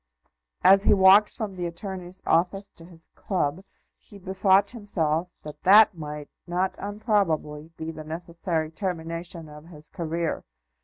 As he walked from the attorney's office to his club he bethought himself that that might not unprobably be the necessary termination of his career.